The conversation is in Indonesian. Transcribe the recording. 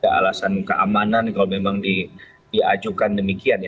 ada alasan keamanan kalau memang diajukan demikian ya